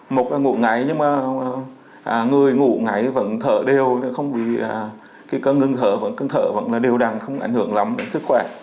một là ngủ ngáy nhưng mà người ngủ ngáy vẫn thở đều cơn ngừng thở vẫn đều đằng không ảnh hưởng lắm đến sức khỏe